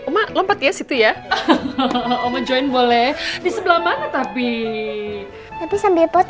oh oma juga mau dipeluk dong